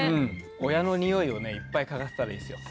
親のにおいをねいっぱい嗅がせたらいいですよ。